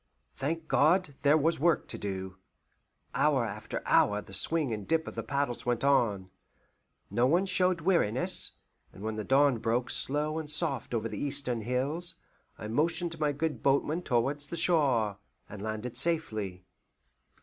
Thank God, there was work to do. Hour after hour the swing and dip of the paddles went on. No one showed weariness, and when the dawn broke slow and soft over the eastern hills, I motioned my good boatmen towards the shore, and landed safely.